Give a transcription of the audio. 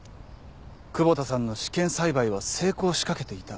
窪田さんの試験栽培は成功しかけていた。